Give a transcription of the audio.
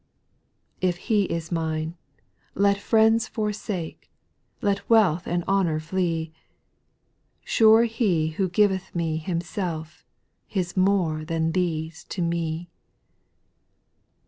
4. If He is mine, let friends forsake, Let wealth and honour flee, — Sure He who giveth me Himself, Is more than these to me.